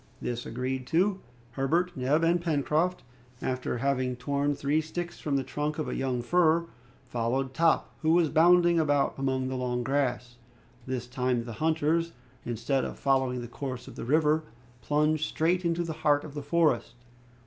This agreed to, Herbert, Neb, and Pencroft, after having torn three sticks from the trunk of a young fir, followed Top, who was bounding about among the long grass. This time, the hunters, instead of following the course of the river, plunged straight into the heart of the forest.